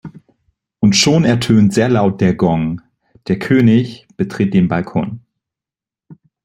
Und schon ertönt sehr laut der Gong, der König betritt den Balkon.